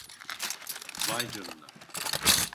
Vay canina!